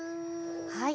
はい。